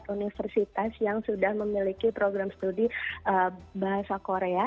universitas yang sudah memiliki program studi bahasa korea